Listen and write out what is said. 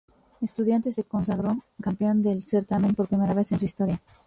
Estudiantes se consagró campeón del certamen por primera vez en su historia.